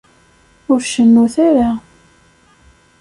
Ur cennut ara.